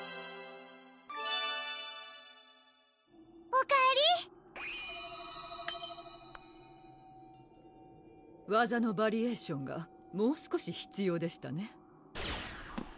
おかえり技のバリエーションがもう少し必要でしたね